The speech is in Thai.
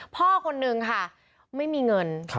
พ่อคนหนึ่งค่ะไม่มีเงิน